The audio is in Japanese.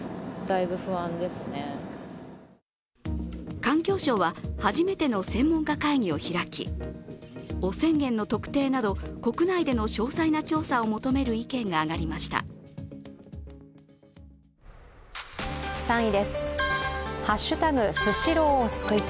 環境省は、初めての専門家会議を開き、汚染源の特定など国内での詳細な調査を求める意見が上がりました。